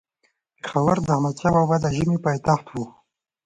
پيښور د احمدشاه بابا د ژمي پايتخت وو